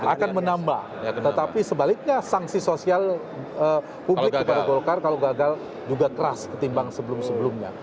akan menambah tetapi sebaliknya sanksi sosial publik kepada golkar kalau gagal juga keras ketimbang sebelum sebelumnya